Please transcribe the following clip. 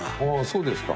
そうですか。